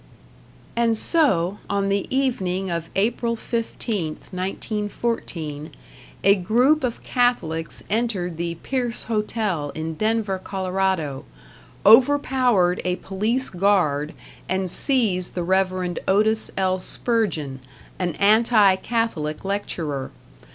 And so, on the evening of April 15th, 1914, a group of Catholics entered the Pierce Hotel in Denver, Colorado, overpowered a police guard and seized the Rev. Otis L. Spurgeon, an anti Catholic lecturer.